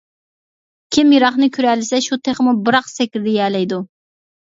كىم يىراقنى كۆرەلىسە شۇ تېخىمۇ بىراق سەكرىيەلەيدۇ.